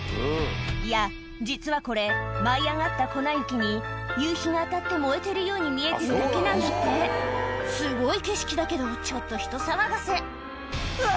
いや実はこれ舞い上がった粉雪に夕日が当たって燃えてるように見えてるだけなんだってすごい景色だけどちょっと人騒がせうわ！